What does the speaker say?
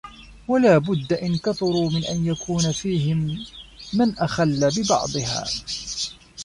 وَلَا بُدَّ إذَا كَثُرُوا مِنْ أَنْ يَكُونَ فِيهِمْ مَنْ أَخَلَّ بِبَعْضِهَا